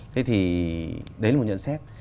thế thì đấy là một nhận xét